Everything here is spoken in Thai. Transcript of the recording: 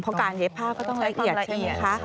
เพราะการเย็บผ้าก็ต้องละเอียดอีกนะคะ